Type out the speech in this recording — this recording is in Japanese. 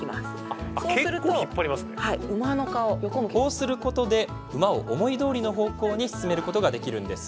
こうすることで馬を思いどおりの方向に進めることができるんです。